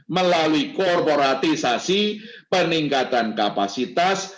melalui korporatisasi peningkatan kapasitas